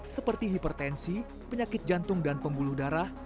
seperti hipertensi penyakit jantung dan pembuluh darah